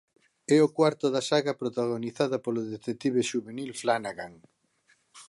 É o cuarto da saga protagonizada polo detective xuvenil Flanagan.